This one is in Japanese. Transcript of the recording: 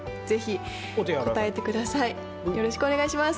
よろしくお願いします。